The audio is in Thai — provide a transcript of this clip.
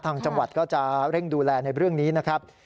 ทางจังหวัดก็จะเร่งดูแลในเรื่องนี้นะครับ